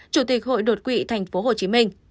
chủ tịch hội đột quỵ tp hcm